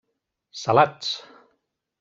Salats!